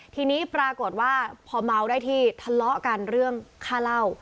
ทีนี้ปรากฏว่าพอเมาได้ที่ทะเลาะกันเรื่องค่าเหล้า